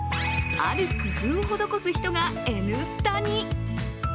ある工夫を施す人が「Ｎスタ」に。